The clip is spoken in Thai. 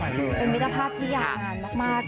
เป็นมิถือภาพที่ยากงานมากคะ